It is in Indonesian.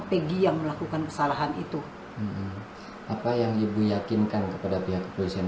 pegi yang melakukan kesalahan itu apa yang ibu yakinkan kepada pihak kepolisian